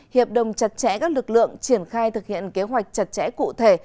hiệp đồng chặt chẽ các lực lượng triển khai thực hiện kế hoạch chặt chẽ cụ thể